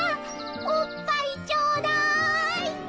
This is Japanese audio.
おっぱいちょうだい！